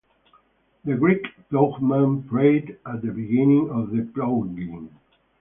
The Greek ploughman prayed at the beginning of the ploughing.